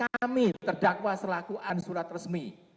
dan kita tidak dapat selaku ansurat resmi